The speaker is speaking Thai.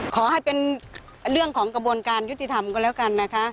ขอให้เป็นเรื่องของกระบวนการยุติธรรมก็แล้วกันนะคะ